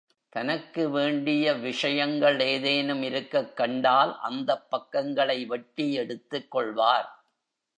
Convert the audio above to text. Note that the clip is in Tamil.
தனக்கு வேண்டிய விஷயங்கள் ஏதேனும் இருக்கக் கண்டால் அந்தப் பக்கங்களை வெட்டி எடுத்துக் கொள்வார்.